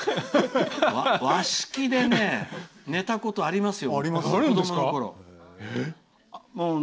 和式で寝たことありますよ。